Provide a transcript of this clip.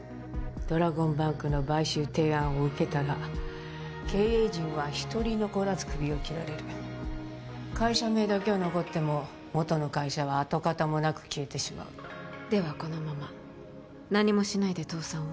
ドラゴンバンクの買収提案を受けたら経営陣は一人残らずクビを切られる会社名だけは残っても元の会社は跡形もなく消えてしまうではこのまま何もしないで倒産を？